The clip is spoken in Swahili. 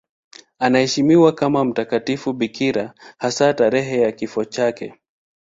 Anaheshimiwa kama mtakatifu bikira, hasa tarehe ya kifo chake.